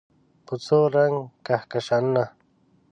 په څو رنګ کهکشانونه